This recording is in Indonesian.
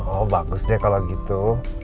oh bagus deh kalau gitu